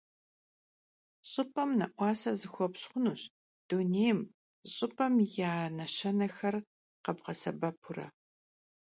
Ş'ıp'em ne'uase zıxueş' xhunuş dunêym, ş'ıp'em ya neşenexer khebğesebepure.